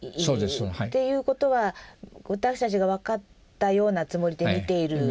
っていうことは私たちが分かったようなつもりで見ていることは。